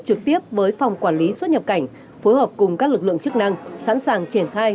trực tiếp với phòng quản lý xuất nhập cảnh phối hợp cùng các lực lượng chức năng sẵn sàng triển khai